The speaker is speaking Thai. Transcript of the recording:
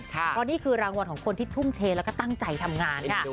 เพราะนี่คือรางวัลของคนที่ทุ่มเทแล้วก็ตั้งใจทำงานค่ะ